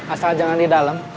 asal jangan di dalam